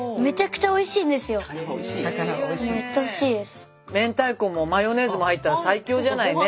それ明太子もマヨネーズも入ったら最強じゃないね。